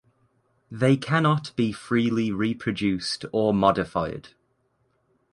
they cannot be freely reproduced or modified